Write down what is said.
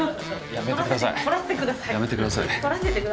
やめてください。